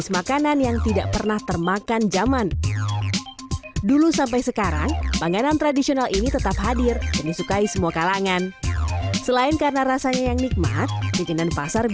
mengikuti selera pasar